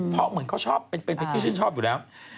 เพราะเหมือนเขาชอบเป็นที่ชื่นชอบอยู่แล้ว